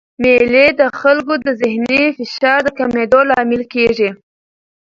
مېلې د خلکو د ذهني فشار د کمېدو لامل کېږي.